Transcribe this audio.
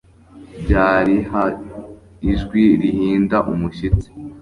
Byari нажijwi rihinda umushyitsi